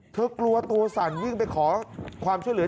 กลัวตัวสั่นวิ่งไปขอความช่วยเหลือ